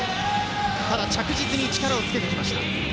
ただ着実に力をつけてきました。